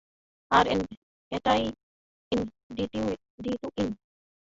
আর এটাই in between?